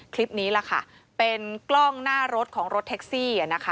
คลิปนี้แหละค่ะเป็นกล้องหน้ารถของรถแท็กซี่นะคะ